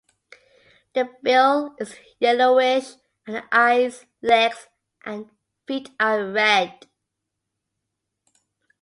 The bill is yellowish, and the eyes, legs, and feet are red.